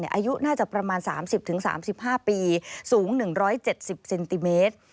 อายุน่าจะประมาณ๓๐๓๕ปีสูง๑๗๐เซนติเมตร